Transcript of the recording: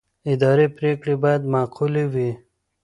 اداري پرېکړې باید معقولې وي.